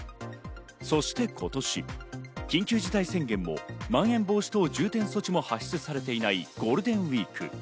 そして今年、緊急事態宣言も、まん延防止等重点措置も発出されていないゴールデンウイーク。